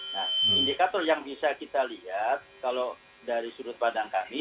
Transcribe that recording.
nah indikator yang bisa kita lihat kalau dari sudut pandang kami